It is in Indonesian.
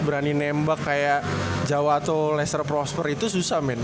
berani nembak kayak jawa atau laser prosper itu susah main